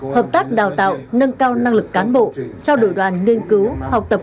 hợp tác đào tạo nâng cao năng lực cán bộ trao đổi đoàn nghiên cứu học tập